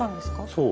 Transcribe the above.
そう。